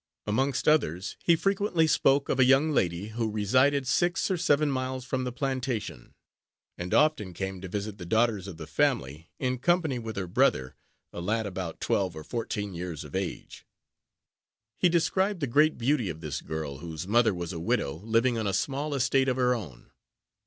Amongst others, he frequently spoke of a young lady, who resided six or seven miles from the plantation, and often came to visit the daughters of the family, in company with her brother, a lad about twelve or fourteen years of age. He described the great beauty of this girl, whose mother was a widow, living on a small estate of her own.